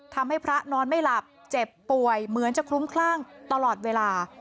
พระนอนไม่หลับเจ็บป่วยเหมือนจะคลุ้มคลั่งตลอดเวลา